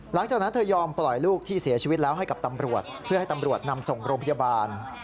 หลังจากนั้นเธอยอมปล่อยลูกที่เสียชีวิตแล้วให้กับตำรวจเพื่อให้ตำรวจนำส่งโรงพยาบาล